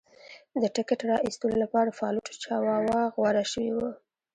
د ټکټ را ایستلو لپاره فالوټ چاواوا غوره شوی و.